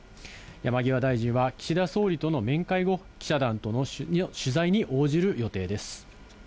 山際大臣は岸田総理との面会後、記者団との取材に応じる予定です。